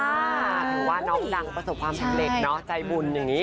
ถือว่าน้องดังประสบความสำเร็จเนอะใจบุญอย่างนี้